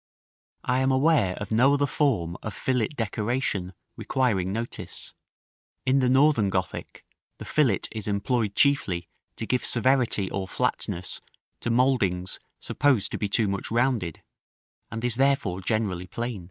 § XVI. I am aware of no other form of fillet decoration requiring notice: in the Northern Gothic, the fillet is employed chiefly to give severity or flatness to mouldings supposed to be too much rounded, and is therefore generally plain.